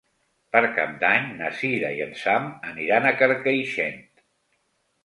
Per Cap d'Any na Cira i en Sam aniran a Carcaixent.